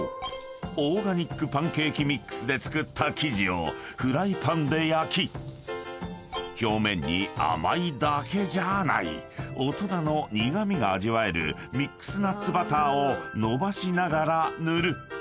［オーガニックパンケーキミックスで作った生地をフライパンで焼き表面に甘いだけじゃない大人の苦味が味わえるミックスナッツバターを延ばしながら塗る］